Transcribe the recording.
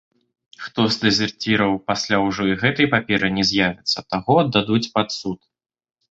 Хто з дэзерціраў пасля ўжо і гэтай паперы не з'явіцца, таго аддадуць пад суд.